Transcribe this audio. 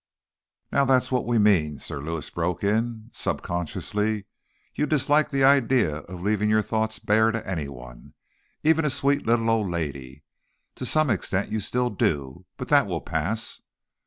"Now, that's what we mean," Sir Lewis broke in. "Subconsciously, you disliked the idea of leaving your thoughts bare to anyone, even a sweet little old lady. To some extent, you still do. But that will pass."